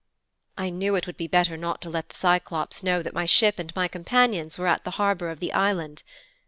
"' 'I knew it would be better not to let the Cyclops know that my ship and my companions were at the harbour of the island.